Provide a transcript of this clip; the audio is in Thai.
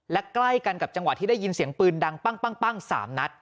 และใกล้กันกับจังหวะที่ได้ยินเสียงปืนดังปั้ง๓นัด